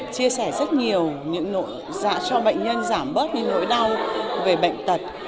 chia sẻ rất nhiều những nội dạ cho bệnh nhân giảm bớt những nỗi đau về bệnh tật